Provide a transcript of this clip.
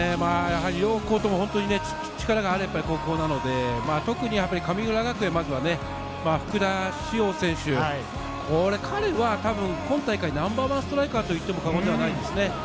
両校とも本当に力がある高校なので、特に神村学園・福田師王選手、彼は今大会Ｎｏ．１ストライカーと言っても過言ではないですね。